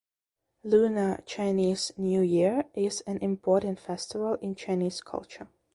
Lunar Chinese New Year is an important festival in Chinese culture.